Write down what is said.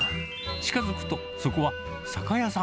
近づくと、そこは酒屋さん。